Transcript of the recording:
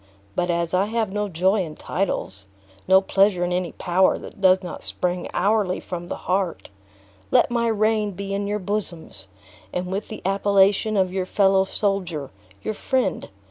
But as I have no joy in titles, no pleasure in any power that does not spring hourly from the heart, let my reign be in your bosoms; and with the appellation of your fellow soldier, your friend!